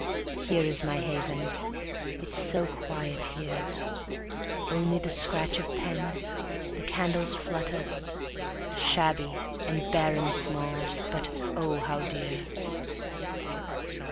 Here is my Haven: it's so quiet here; Only the scratch of pen, the candle's flutter; Shabby and bare and small, but O how dear!